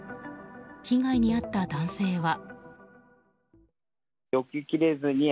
被害に遭った男性は。